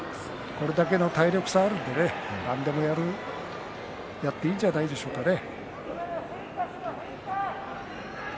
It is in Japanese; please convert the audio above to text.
これだけの体力差があるので何でもやっていいんじゃないでしょうかね。